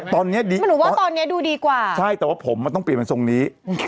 ตอนนี้ดีกว่าใช่แต่ว่าผมต้องเปลี่ยนมาทรงนี้